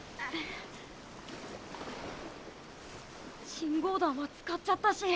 信号弾は使っちゃったし。